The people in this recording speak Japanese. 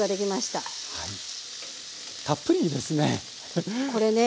たっぷりですね！